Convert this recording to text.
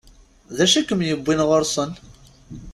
D acu i kem-yewwin ɣur-sen?